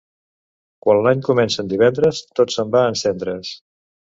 Quan l'any comença en divendres tot se'n va en cendres.